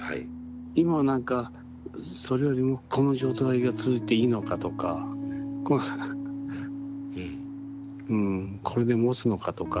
今は何かそれよりもこの状態が続いていいのかとかこんなうんこれで持つのかとか